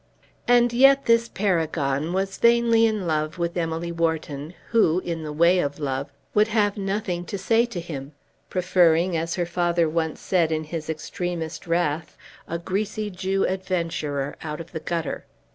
And yet this paragon was vainly in love with Emily Wharton, who, in the way of love, would have nothing to say to him, preferring, as her father once said in his extremest wrath, a greasy Jew adventurer out of the gutter!